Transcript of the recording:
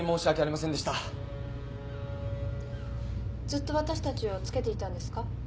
ずっと私たちをつけていたんですか？